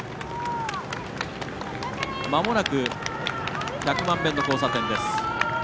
まもなく、百万遍の交差点です。